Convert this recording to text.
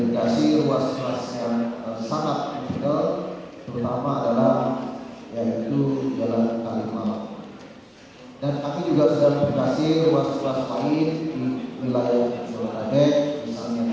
kami sudah memiliki kondifikasi ruas ruas yang sangat mudah